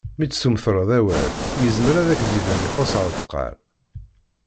Mi d-tsumreḍ awal, yezmer ad ak-d-iban ixuss ar deqqal.